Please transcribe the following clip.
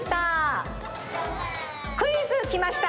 クイズきました！